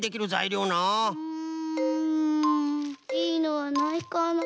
うんいいのはないかな？